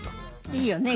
いいよね